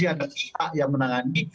ada sisa yang menangani